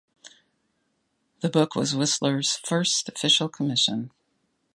The book was Whistler's first official commission.